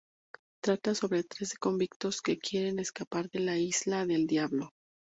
Trata sobre tres convictos que quieren escapar de la Isla del Diablo.